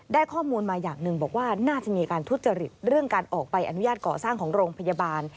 ได้ข้อมูลมาอย่างหนึ่งบอกว่าน่าจะมีการทุจริตเรื่องการออกใบอนุญาตก่อสร้างของโรงพยาบาล